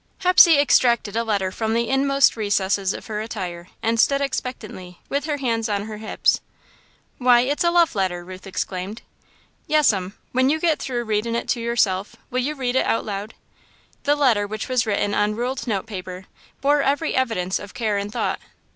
Hepsey extracted a letter from the inmost recesses of her attire and stood expectantly, with her hands on her hips. "Why, it's a love letter!" Ruth exclaimed. "Yes'm. When you get through readin' it to yourself, will you read it out loud?" The letter, which was written on ruled note paper, bore every evidence of care and thought.